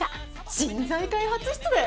人材開発室だよ！